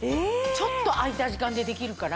ちょっと空いた時間でできるから。